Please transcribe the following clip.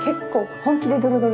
本気のドロドロ。